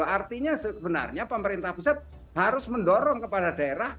artinya sebenarnya pemerintah pusat harus mendorong kepada daerah